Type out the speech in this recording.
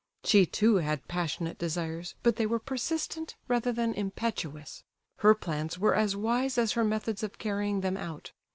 She too, had passionate desires, but they were persistent rather than impetuous. Her plans were as wise as her methods of carrying them out.